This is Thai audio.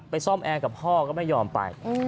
ซ่อมแอร์กับพ่อก็ไม่ยอมไป